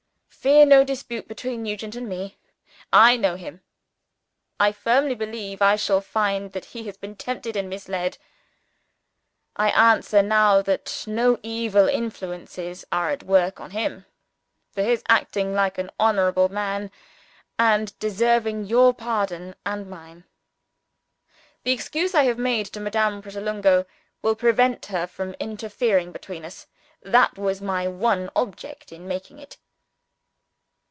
Fear no dispute between Nugent and me. I know him. I firmly believe I shall find that he has been tempted and misled. I answer now that no evil influences are at work on him for his acting like an honorable man, and deserving your pardon and mine. The excuse I have made to Madame Pratolungo will prevent her from interfering between us. That was my one object in making it.